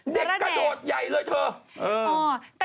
กระโดดใหญ่เลยเถอะ